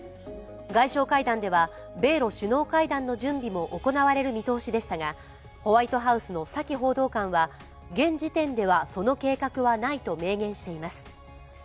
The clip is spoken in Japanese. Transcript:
外相会談では米ロ首脳会談の準備も行われる見通しでしたが、ホワイトハウスのサキ報道官は現時点ではその計画はないと明言しています。